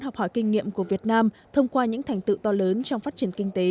phát triển kinh nghiệm của việt nam thông qua những thành tựu to lớn trong phát triển kinh tế